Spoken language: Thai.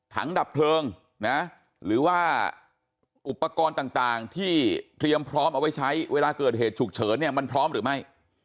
ดับเพลิงนะหรือว่าอุปกรณ์ต่างที่เตรียมพร้อมเอาไว้ใช้เวลาเกิดเหตุฉุกเฉินเนี่ยมันพร้อมหรือไม่